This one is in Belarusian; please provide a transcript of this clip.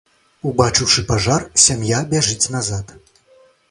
Убачыўшы пажар, сям'я бяжыць назад.